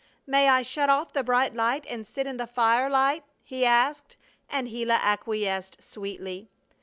"May I shut off the bright light and sit in the firelight?" he asked, and Gila acquiesced sweetly.